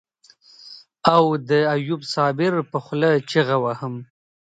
او د ايوب صابر په خوله چيغه وهم.